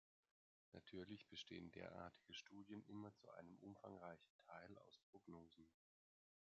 Natürlich bestehen derartige Studien immer zu einem umfangreichen Teil aus Prognosen.